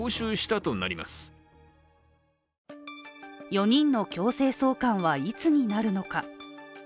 ４人の強制送還はいつになるのか。